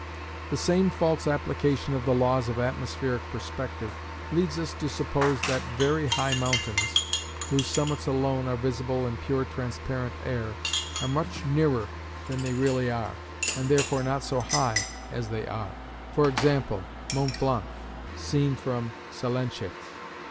The same false application of the laws of atmospheric perspective leads us to suppose that very high mountains, whose summits alone are visible in pure transparent air, are much nearer than they really are, and therefore not so high as they are; for example, Mont Blanc seen from Salenche.